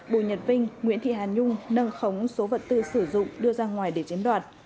bùi nhật vinh nguyễn thị hà nhung nâng khống số vật tư sử dụng đưa ra ngoài để chiếm đoạt